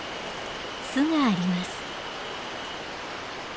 巣があります。